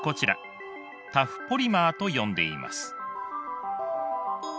タフポリマーと呼んでいます。